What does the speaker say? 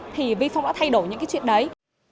thì vifong đã thay đổi những chuyện đấy